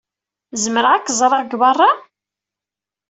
Zemreɣ ad k-ẓreɣ deg beṛṛa?